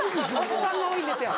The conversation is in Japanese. おっさんが多いんですよ。